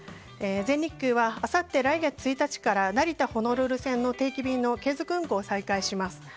全日空はあさって来月１日から成田ホノルル線の定期便の継続運航を再開します。